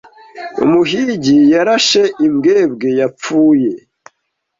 Umuhigi yarashe imbwebwe yapfuye.